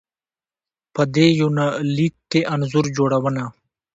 په دې يونليک کې انځور جوړونه